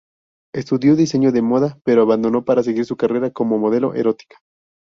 Estudió diseño de moda, pero abandonó para seguir su carrera como modelo erótica.